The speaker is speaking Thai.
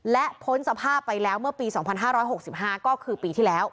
และพ้นสภาพไปแล้วเมื่อปี๒๕๖๕ก็คือปีที่แล้ว